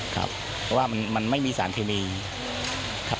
ก็ว่ามันไม่มีสารเคมีครับ